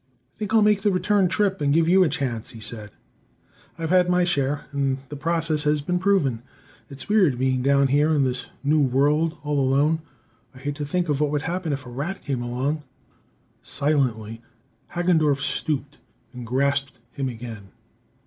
"Think I'll make the return trip, and give you a chance," he said. "I've had my share, and the process has been proven. It's weird, being down in this new world all alone. I'd hate to think what would happen if a rat came along!" Silently, Hagendorff stooped and grasped him again.